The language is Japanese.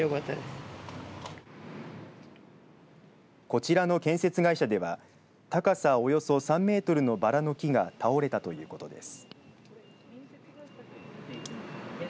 こちらの建設会社では高さおよそ３メートルのばらの木が倒れたということです。